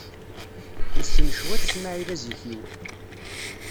Nessen cwiṭ Smaɛil Azikiw.